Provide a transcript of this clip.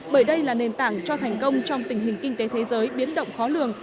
bởi đây là nền tảng cho thành công trong tình hình kinh tế thế giới biến động khó lường